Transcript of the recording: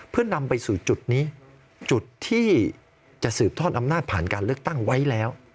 เพื่อนำไปสู่จุดนี้จุดที่จะสืบทอดอำนาจผ่านการเลือกตั้งไว้แล้ว